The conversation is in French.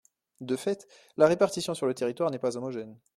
De fait, la répartition sur le territoire n’est pas homogène.